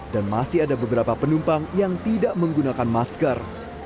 dan masih ada beberapa penumpang yang tidak menggunakan masker